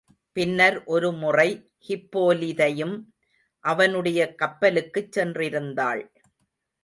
பின்னர் ஒரு முறை ஹிப்போலிதையும் அவனுடைடைய கப்பலுக்குச் சென்றிருந்தாள்.